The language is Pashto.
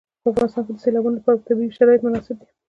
په افغانستان کې د سیلابونو لپاره طبیعي شرایط مناسب دي.